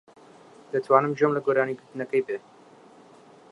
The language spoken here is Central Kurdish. دەتوانم گوێم لە گۆرانی گوتنەکەی بێت.